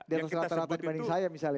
di atas rata rata dibanding saya misalnya